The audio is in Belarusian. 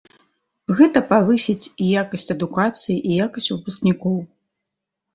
Гэта павысіць і якасць адукацыі, і якасць выпускнікоў.